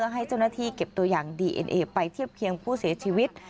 ให้เจ้าหน้าที่เก็บตัวอย่างดีเอ็นเอไปเทียบเคียงผู้เสียชีวิต